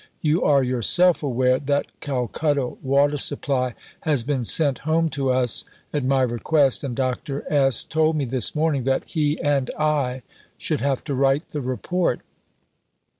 You are yourself aware that Calcutta water supply has been sent home to us (at my request), and Dr. S. told me this morning that he and I should have to write the Report."